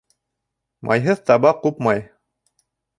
Майһыҙ таба ҡупмай.